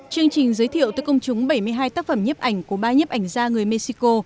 chương trình giới thiệu tới công chúng bảy mươi hai tác phẩm nhiếp ảnh của ba nhếp ảnh gia người mexico